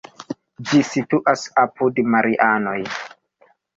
Ĝi situas apud Marianoj.